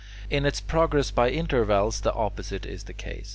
In its progress by intervals the opposite is the case.